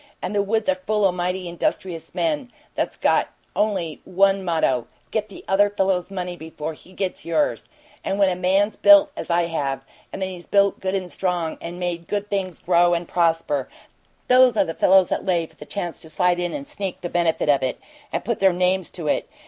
And the woods are full o' mighty industrious men that's got only one motto: 'Get the other fellow's money before he gets yours!' And when a man's built as I have, when he's built good and strong, and made good things grow and prosper THOSE are the fellows that lay for the chance to slide in and sneak the benefit of it and put their names to it!